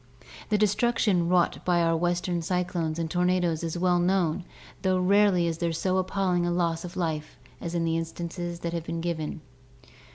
The destruction wrought by our western cyclones and tor nadoes is well known though rarely is there so appalling a loss of life as in the instances that have been given.